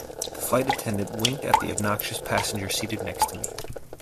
The flight attendant winked at the obnoxious passenger seated next to me.